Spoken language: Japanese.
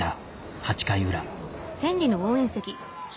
８回裏。